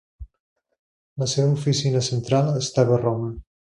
La seva oficina central estava a Roma.